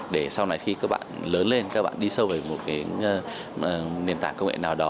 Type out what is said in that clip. để sau này khi các bạn lớn lên các bạn đi sâu về một cái nền tảng công nghệ nào đó